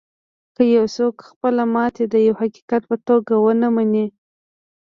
که یو څوک خپله ماتې د یوه حقیقت په توګه و نهمني